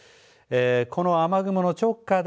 この雨雲の直下で